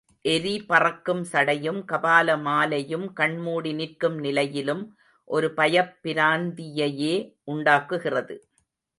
எரி பறக்கும் சடையும், கபால மாலையும் கண்மூடி நிற்கும் நிலையிலும் ஒரு பயப்பிராந்தியையே உண்டாக்குகிறது.